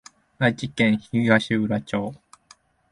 愛知県東浦町